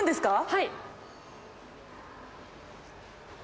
はい。